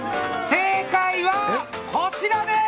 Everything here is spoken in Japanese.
正解は、こちらです。